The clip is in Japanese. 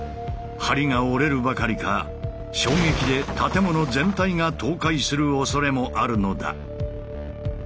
梁が折れるばかりか衝撃で建物全体が倒壊するおそれもあるのだ。